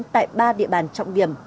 tại ba địa bàn trọng điểm